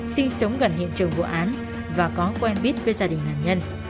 sinh sống gần hiện trường vụ án và có quen biết với gia đình nạn nhân